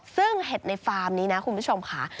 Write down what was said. ซึ่งเห็ดในฟาร์มนี้นะคุณผู้ชมค่ะ